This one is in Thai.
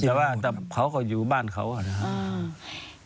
แต่ว่าเขาก็อยู่บ้านเขานะครับ